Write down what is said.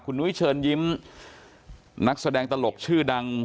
นุ้ยเชิญยิ้มนักแสดงตลกชื่อดัง